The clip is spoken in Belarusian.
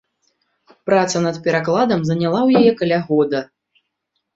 Праца над перакладам заняла ў яе каля года.